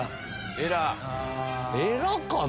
えらかな？